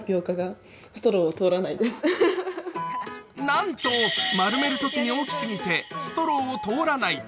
なんと丸めるときに大きすぎてストローが通らない。